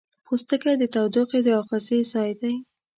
پوستکی د تودوخې د آخذې ځای دی.